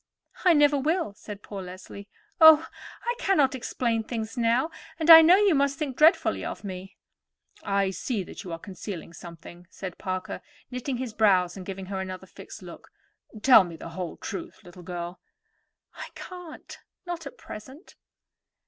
"I never will," said poor Leslie. "Oh, I cannot explain things now, and I know you must think dreadfully of me." "I see you are concealing something," said Parker, knitting his brows and giving her another fixed look. "Tell me the whole truth, little girl." "I can't; not at present."